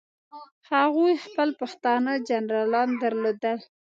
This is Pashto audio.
هغوی خپل پښتانه جنرالان درلودل.